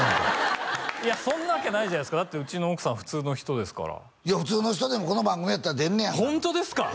いやそんなわけないじゃないですかだってうちの奥さん普通の人ですからいや普通の人でもこの番組やったら出んねやホントですか！？